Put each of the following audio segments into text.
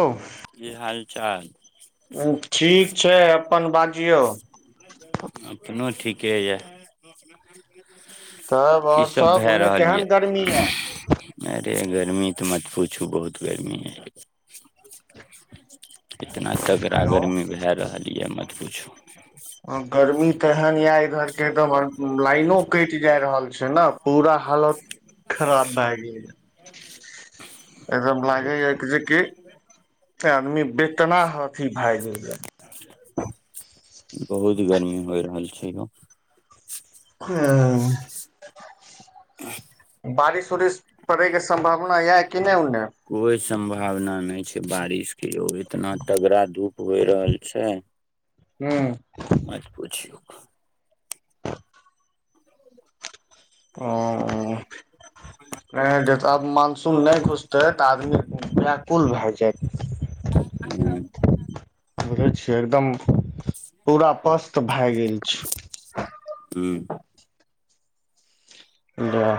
ओ, की हाल चाल ठीक छै अपन बाजियौ। अपनो ठीके ये। तब और सब, ओनय केहन गर्मी ये। एह गर्मी त मत पुछु बहुत गर्मी अछि। इतना तगड़ा हेलो गर्मी भए रहल ये मत पुछु। हां, गर्मी केहन या इ घर ऐ घर में लाइनो कटि जाय रहल छै। चलब? पुरा हालत खराब भए गेल या, एकदम लागे बहुत या जे कि त आदमी बेतना हाथी भए जाइये। बहुत गर्मी भय रहल छै। छै न। हुं, बारिस उरिस पड़ैके सम्भावना ये कि नहि ओन्ने कोइ सम्भावना नहि छै बारिस के यौ, इतना तगड़ा धुप होइ रहल छै, हूं मत पुछु। उंह, एं त आब मानसुन नहि घुसतै त आदमी व्याकुल भए जायत। ह बुझै छियै एकदम पूरा पस्त भए गेल छी। ह्म। हा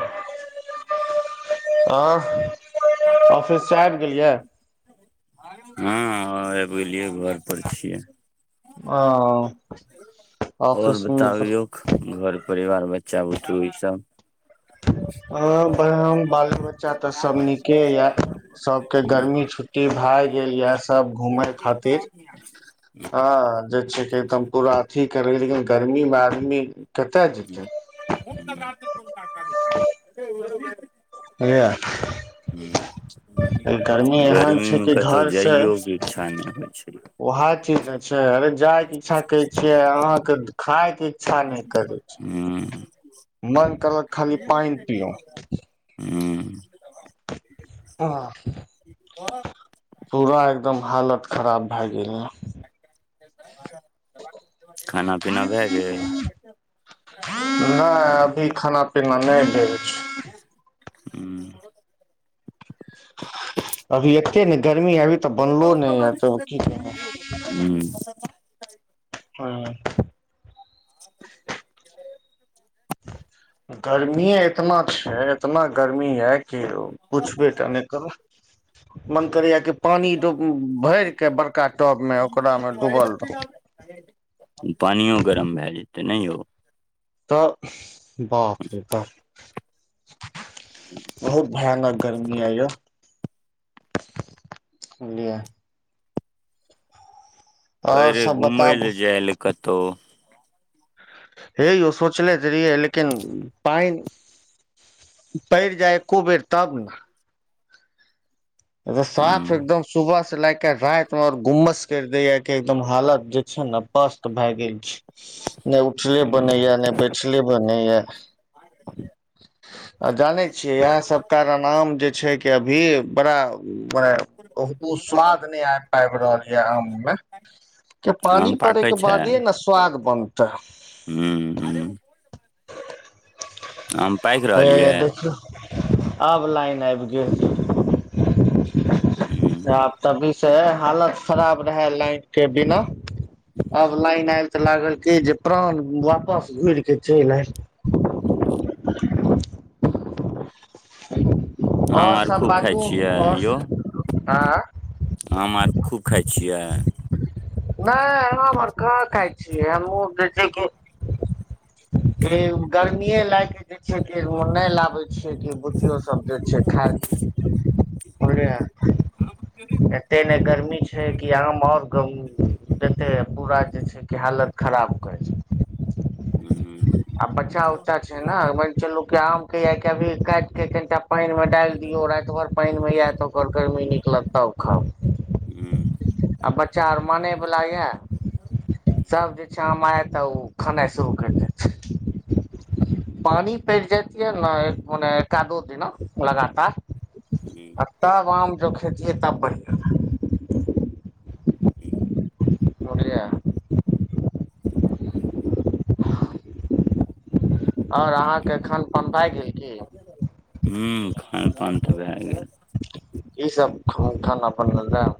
आँह ऑफिस से आबि गेलियै? हँ, आब गेलियै। घरपर छियै। हां। और बताबियौक घर परिवार बच्चा बुतरु इ सब। हँ, ब् बाल-बच्चा तऽ सब नीके यए। सबके ह गर्मी छुट्टी भाए गेल यए। सब घूमय खातिर, ह हँ जे छै एकदम पूरा अथी करय, लेकिन गर्मीमे आदमी कतय जेतै ह्म ह्म [unintelligible] [unintelligible] [inaudible] भैया, ह गर्मी एहन छै गर्मीमे कि कतहु घरसे जाइयोके इच्छा नहि होइ छै वहए चीज न छै। अरे जाय [unintelligible] इच्छा कहै छियै, अहाँके खायके इच्छा नहि करै हूँ छै। मन करल खाली पानि पियाउँ। ह्म। हँ, पूरा एकदम हालत खराब भए गेल हेँ। [unintelligible] खाना पीना भए गेल नय, अभी खाना-पीना नै भेल छै। ह्म। अभी एत्ते ने गर् [inaudible] कहू। ह्म। [inaudible] ह्म। [inaudible] गर्मीए इतना छै, इतना गर्मी है अइ कि पुछबे टा नहि करू। मन करैए कि पानी डुब् भैरके बड़का टबमे ओकरामे डूबल रहू। पानियो गरम भए जेतै ने यौ तऽ बाप रे बाप। बहुत भयानक गर्मी अइ यौ। बुझलियै? कहै आओर रहियै सब घूमय बताबू लए जाय ले कतहु। हे यौ सोचले तऽ रहियै, लेकिन पानि पड़ि जाय एक्को बेर तब न। रे, हूँ साफ एकदम सुबह से लएके राति मे आओर गुम्मस करि देय य कि एकदम हालत जे छै ने पस्त भए गेल छी। नहि उठले हूँ बनैया ने बैठले बनैया आ जानै छियै इएह सब कारण आम जे छै कि अभी। कराउ। भाइ, ओ स्वाद नहि आबि पाबि रहल यए आममे। क पानी पड़ेके बादे ने स्वाद बन ह्म ह्म। आम पाकि रहलियै। ऑब लाइन आबि गेल। हूँ आब तऽ भी। से हालत खराब रहे लाइट के बिना। ऑब लाइन आयल। तऽ लागल के जे प्राण वापस घुर के। ज नहि। [inaudible] [inaudible] आम आओर आर सभ खूब खाइ बाजू छियै यौ आओर। आँ। आम आर खूब खाइ छियै। नहि एहनो बर कहां खइ छियै। हमहु जे छै गर्मीए लए क। नहि लाबै छियै कि बुचियो सब जे छै खाइ बुझलियै एते नहि गर्मी छै कि आम आओर। देते पूरा जे छै कि हालत खराब कर। हूँ [inaudible] आ पछा उछा छै ने म चलू क आम। हूँ [inaudible] ब सब तऽ ओ खेनाइ शुरू करि देतै पानि पड़ि जाइतै ने मने एका दो दिना लगातार। हूँ आ ता ब जोखे तब बढ़। [inaudible] मुढ़िया। अहाँके खान पान भए गेल की ह खान पान तऽ भए गेल। की सभ खाना बनल रहै?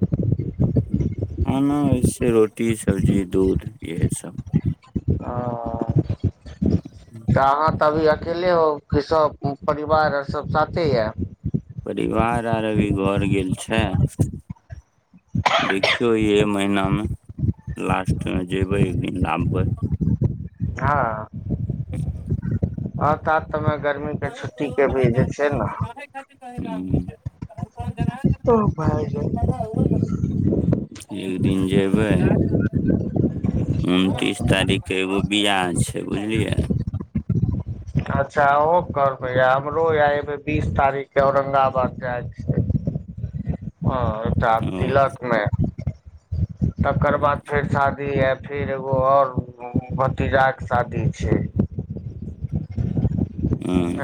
ह न इसे रोटी सब्जी दूध यहे सब। आ आ कहां तबियत अकेले हो कि सब परिवार आर सब साथे यै। परिवार आर अभी घर गेल छै। देखियौ इह महीनामे लास्टमे जेबै एक दिन लाबबै। हँ। ह। आ कात। ने [unintelligible] [unintelligible] भए जाय एक दिन जेबै। उनतीस तारखके एगो बिआह छै बुझलियै। अच्छा ओहो करबै य हमरो ये एगो बीस तारिखके औरंगाबाद जाइ के छै हँ। [unintelligible] टा ओ तिलक मे। तकर बाद फेर शादी हैत। फेर एगो आओर भतीजाके शादी छै। हू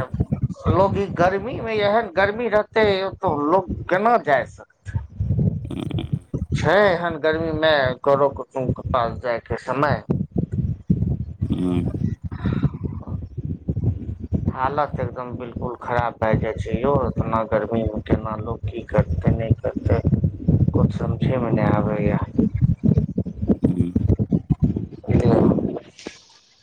लोग ई गर्मी मे एहन गर्मी रहतै तो लोग केना जाय सकतै छै। छै एहन। गर्मीमे करो कुटुम्के पास जाइके समय। हू हालत एकदम बिलकुल खराब भए जाइ छै यौ [unintelligible] गर्मीमे केना लोक की करतै नै करतै कुछ समझयमे नै आबैए। ह्म। [unintelligible]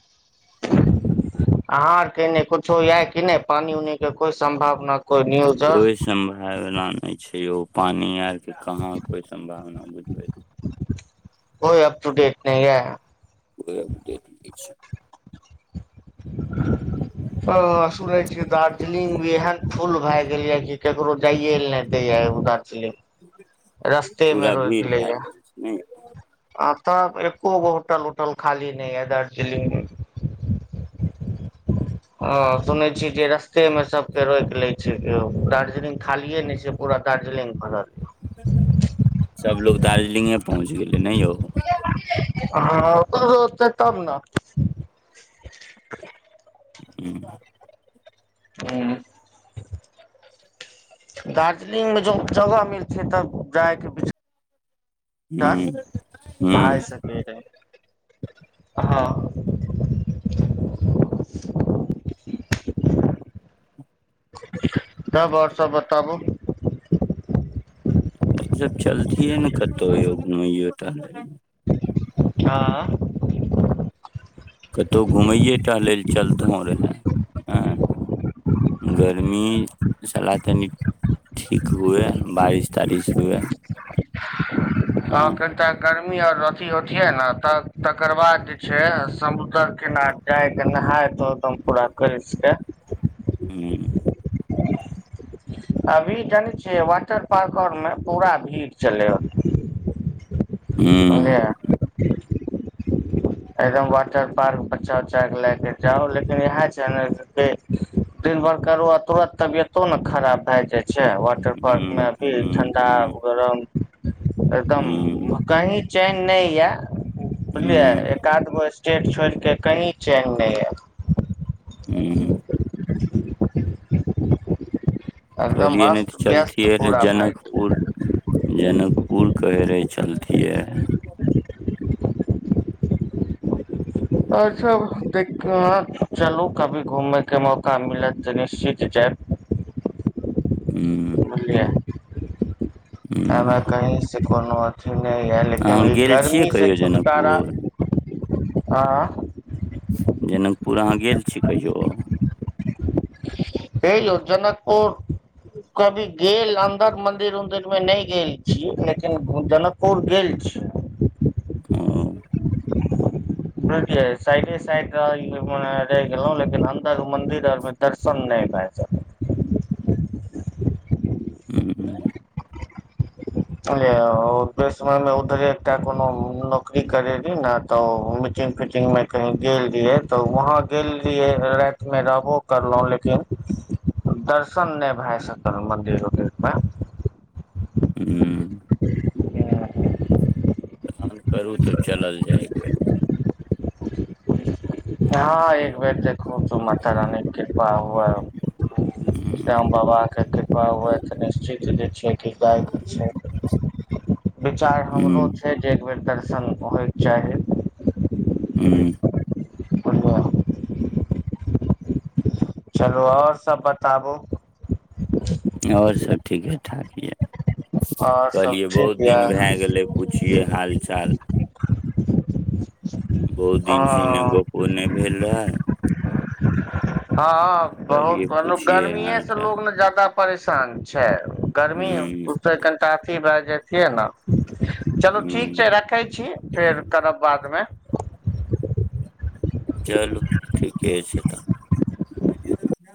अहा आर के एने कुछो य कि नै पानि उनी के कोइ सम्भावना। कोई न्यूज आर कोइ सम्भावना नै छै यौ पानि आरके कहाँ कोइ सम्भावना बु कोइ अप टूडेट नहि ह। कोई अपडेट नहि छै। ह सुनै छी दार्जलिंग भी एहन फूल भए गेल य। की केकरो जाइए ले ने दे य उधर लींग रस्ते मे पूरा रोइक भीड़ भए लैया। गेल छै ने तऽब एको गो होटल उटल खाली नहि है दार्जिलिंग मे। हँ सुनैत छी जे रस्तेमे सभके रोकि लैत छै केओ दार्जिलिंग खालिए नहि छै पूरा दार्जिलिंग भरल। सभलोग दार्जलिंगे पहुँच गेलै ने यौ। हँ [unintelligible] तब न। ह ह्म दार्जलिंगमे जब जगह मिलतै तब जायके विच हम्म भए हम्म। सकै हँ। तब और सब बताबू। [unintelligible] [unintelligible] चलथीये ने कतौ यौ घुमैयो टहले। हाँ। कतौ घूमैये टहलै लेल चलतौ रहै, आ गर्मी साला तनि ठीक हुआए, बारिश-तारिश हुआए। हँ कैंटा गरम [unintelligible] यार अथी होथि ने त तकर बाद जे छै समुद्र किनार जाइके नहाय। हरदम पूरा करैइ छियई। ह्म्म। अभी जानै छियै वाटर पार्क आर मे पूरा भीड़ चलै होतै। [unintelligible] हुँ एकदम वाटर पार्क बच्चा-उच्चा के लाय के जाउ, लेकिन इहाए छै नै जते दिन भर करु आ तुरत तबियतो ने खराब भाए जाय छै, वाटर पार्क मे हुँ अभी हुँ ठंढा, हुँ गरम एकदम हुँ कही चैन नै या। सुनलियै हुँ एक, आधगो एस [unintelligible] छोड़ के कहीँ चैन नै या। ह्म्म। एकदम कहलियै नै ते अस्त व्यस्त चलथियै रहए पूरा भाय जनकपुर, जनकपुर कहै रहै चलतियै। और सब दे कहाँ चलू कभी घुमयके मौका मिलत ते निश्चित जाएब। ह्म्म। ए मे कही से ई कोनो अथी नै या लेकिन अहाँ ई गेल छियै गरमी से कहियो छुटकारा जनकपुर हँ जनकपुर अहाँ गेल छी कहियौ। हे यौ जनकपुर कभी गेल अन्दरक मंदिर-उन्दिर मे नै गेल छी, लेकिन जनकपुर गेल छी। हुँ [unintelligible] साइडे-साइडे रहि [unintelligible] रैह गेलौ, लेकिन अन्दर मन्दिर आर मे दर्शन नै भाए सकलै। ह्म्म। उहे ऑफिस समय मे उधरे एकटा कोनो नौकरी करै रहि न तऽ ओ मीटिंग फिटिंग मे कहीँ गेल रिहै तऽ वहाँ गेल रिहै राएत मे रहबो करलौ, लेकिन दर्शन नै भाए सकल मन्दिर-उन्दिर मे। ह्म्म। [unintelligible] करू तऽ चलल जाय एक बेर हाँ एकबेर देखू तो माता रानी के कृपा हुऐ, हुँ श्याम बाबा के कृपा हुऐ ते निश्चित जे छै विचार हमरो हुँ छै जेबै एक। बेर दर्शन होइके चाही। हू। बुझलिय चलू आओर सभ बताबू। आओर सब ठीके ठाक यऽ। आओर सब कहलियै ठीक बहुत दिन भाए यऽ गेलै, पुछियै हाल-चाल। बहुत दिन से इन्ने अ गप्पो नै भेल रहै, हँ त बहुत कहलियै पुछिये हाल-चाल। सान छै। हू। काफी भ जे छियै ने। चलू ठीक हुँ छै रखै छी फेर करब बादमे। चलू ठीके छै तऽ।